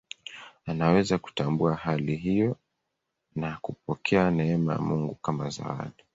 Anaweza kutambua hali hiyo na kupokea neema ya Mungu kama zawadi.